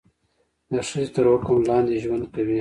د ښځې تر حکم لاندې ژوند کوي.